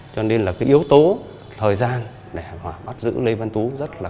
cho nên là cái yếu tố thời gian để bắt giữ lê văn tú rất là dễ dàng